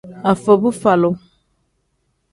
Afobuvalu.